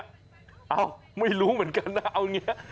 เอ้าไม่รู้เหมือนกันนะเอาอย่างนี้